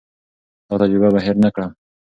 دا تجربه به هېر نه کړم.